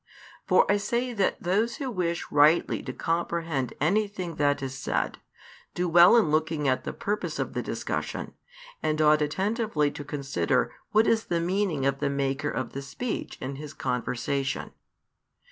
For I say that those who wish rightly to comprehend anything that is said, do well in looking at the purpose of the discussion, and ought attentively to consider what is the meaning of the Maker of the speech in His conversation.